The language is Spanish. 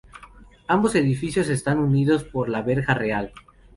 Ambos edificios están unidos por la verja real.